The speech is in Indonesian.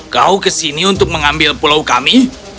kau datang ke sini untuk mengambil pulau kami